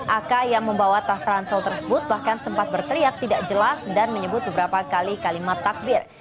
aka yang membawa tas ransel tersebut bahkan sempat berteriak tidak jelas dan menyebut beberapa kali kalimat takbir